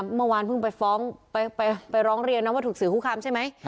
เมื่อวานเพิ่งไปฟ้องไปร้องเรียนนะว่าถูกสื่อคู่คำใช่ไหม